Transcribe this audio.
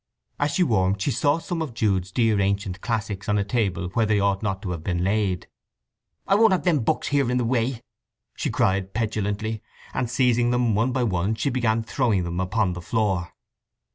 As she warmed she saw some of Jude's dear ancient classics on a table where they ought not to have been laid. "I won't have them books here in the way!" she cried petulantly; and seizing them one by one she began throwing them upon the floor.